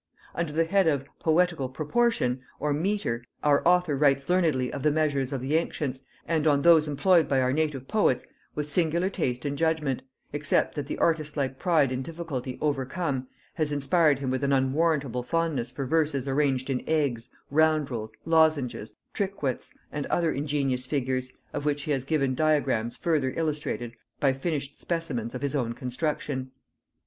] Under the head of "Poetical proportion" or metre, our author writes learnedly of the measures of the ancients, and on those employed by our native poets with singular taste and judgement, except that the artist like pride in difficulty overcome has inspired him with an unwarrantable fondness for verses arranged in eggs, roundels, lozenges, triquets, and other ingenious figures, of which he has given diagrams further illustrated by finished specimens of his own construction.